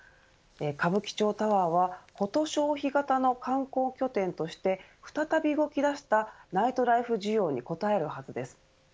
歌舞伎町タワーはコト消費型の観光拠点として再び動き出したナイトライフ需要に応えるはずです。